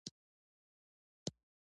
مېرمن نېکبخته یوه عارفه ښځه وه.